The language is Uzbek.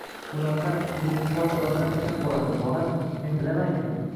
Bunaqa ruhi pok odamlar kam bo‘ladi, bolam, men bilaman-ku.